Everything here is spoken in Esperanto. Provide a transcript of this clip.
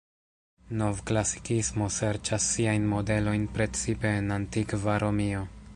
Novklasikismo serĉas siajn modelojn precipe en antikva Romio.